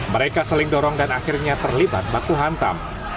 mereka saling dorong dan akhirnya terlibat baku hantam